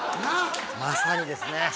まさにですね